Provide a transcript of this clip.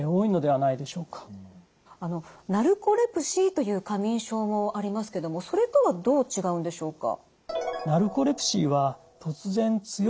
ナルコレプシーという過眠症もありますけどもそれとはどう違うんでしょうか？